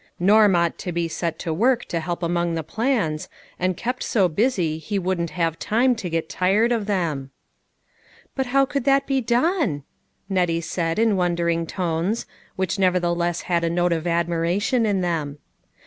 Norm ought to be set to work to help along the plans, and kept so busy he wouldn't have time to get tired of them." " But how could that be done ?" Nettie said in wondering tones, which nevertheless had a note of admiration in them.